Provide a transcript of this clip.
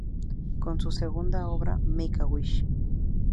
Con su segunda obra, "Make a wish!